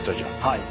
はい。